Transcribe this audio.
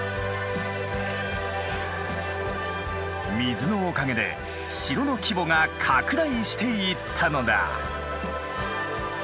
水のおかげで城の規模が拡大していったのだ。